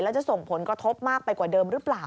แล้วจะส่งผลกระทบมากไปกว่าเดิมหรือเปล่า